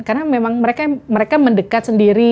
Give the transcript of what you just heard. karena memang mereka mendekat sendiri